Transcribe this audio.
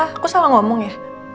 aku salah ngomong ya